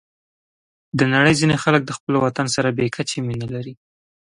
د نړۍ ځینې خلک د خپل وطن سره بې کچې مینه لري.